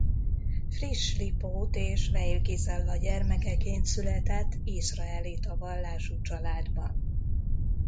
Frisch Lipót és Weil Gizella gyermekeként született izraelita vallású családban.